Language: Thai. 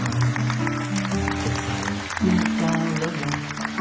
เค้าใส่ชิ้นกล้าวและหลัง